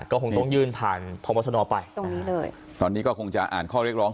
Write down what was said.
ก็คงต้องยื่นผ่านพบชนไปตรงนี้เลยตอนนี้ก็คงจะอ่านข้อเรียกร้อง